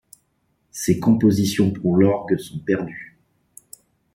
Ses compositions pour l'orgue sont perdues.